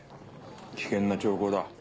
危険な兆候だ。